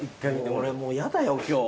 俺もうやだよ今日。